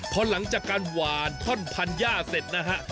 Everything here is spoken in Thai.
พอหลังจากการหวานท่อนพันย่าเสร็จนะฮะ